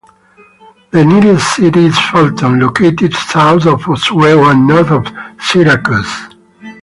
The nearest city is Fulton, located south of Oswego and north of Syracuse.